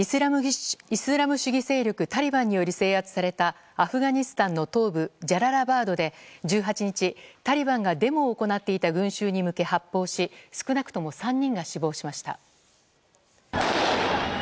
イスラム主義勢力タリバンにより制圧されたアフガニスタンの東部ジャララバードで１８日タリバンがデモを行っていた群衆に向けて発砲し少なくとも３人が死亡しました。